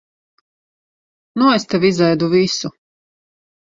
Nu es tev izēdu visu.